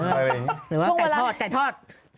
ช่วงเวลาตายทอด